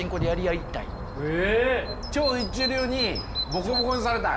超一流にボコボコにされたい。